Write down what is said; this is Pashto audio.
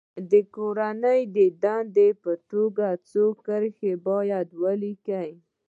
د کورنۍ دندې په توګه څو کرښې باید ولیکي.